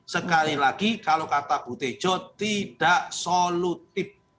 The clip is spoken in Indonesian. sekali lagi kalau kata bu tejo tidak solutif